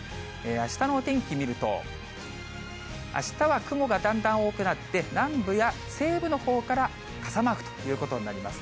あしたのお天気見ると、あしたは雲がだんだん多くなって、南部や西部のほうから傘マークということになります。